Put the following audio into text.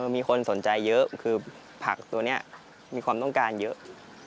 มีคนสนใจเยอะคือผักตัวนี้มีความต้องการเยอะ